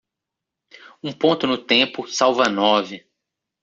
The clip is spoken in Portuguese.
Um ponto no tempo salva nove.